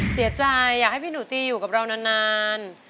อยากให้พี่หนูตีอยู่กับเรานาน